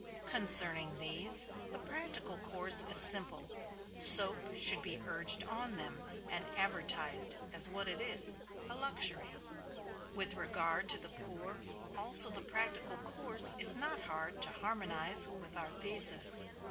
Concerning these, the practical course is simple; soap should be urged on them and advertised as what it is a luxury. With regard to the poor also the practical course is not hard to harmonize with our thesis.